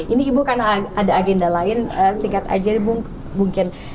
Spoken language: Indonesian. ini ibu kan ada agenda lain singkat aja mungkin